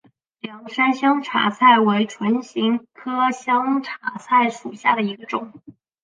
凉山香茶菜为唇形科香茶菜属下的一个种。